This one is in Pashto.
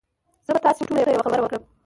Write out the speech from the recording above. زه به تاسي ټوله ته یوه خبره وکړم